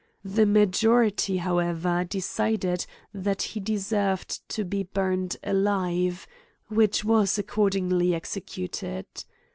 The majority, however, decid ed that he deserved to be burned alive, which was accordingly executed.